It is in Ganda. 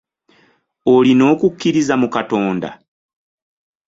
Olina okukkiriza mu Katonda?